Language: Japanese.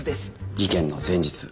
事件の前日？